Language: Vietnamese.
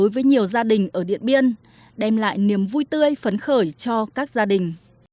với nhiều gia đình ở điện biên đem lại niềm vui tươi phấn khởi cho các gia đình